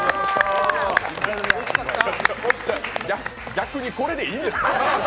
逆にこれでいいんですか？